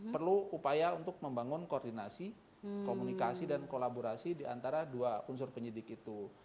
perlu upaya untuk membangun koordinasi komunikasi dan kolaborasi di antara dua unsur penyidik itu